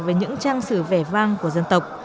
về những trang sử vẻ vang của dân tộc